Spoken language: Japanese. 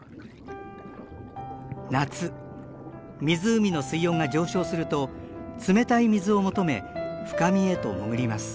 夏湖の水温が上昇すると冷たい水を求め深みへと潜ります。